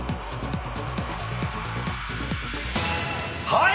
はい！